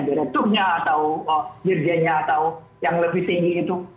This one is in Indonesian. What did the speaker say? direkturnya atau dirjennya atau yang lebih tinggi itu